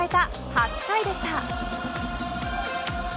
８回でした。